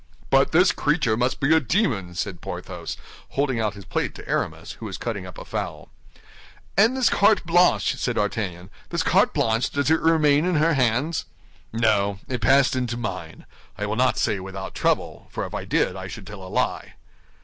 "But this creature must be a demon!" said Porthos, holding out his plate to Aramis, who was cutting up a fowl. "And this carte blanche," said D'Artagnan, "this carte blanche, does it remain in her hands?" "No, it passed into mine; I will not say without trouble, for if I did I should tell a lie."